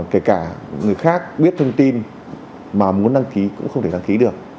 kể cả người khác biết thông tin mà muốn đăng ký cũng không thể đăng ký được